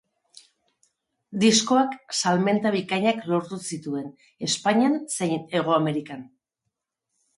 Diskoak salmenta bikainak lortu zituen Espainian zein Hego Amerikan.